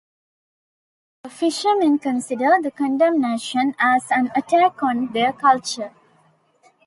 The fishermen consider the condemnation as an attack on their culture.